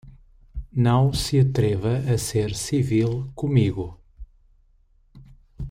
Não se atreva a ser civil comigo!